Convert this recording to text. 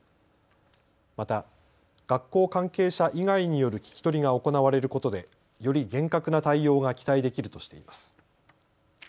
また学校関係者以外による聞き取りが行われることでより厳格な対応が期待できるとしています。